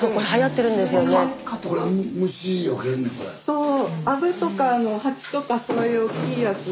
そう。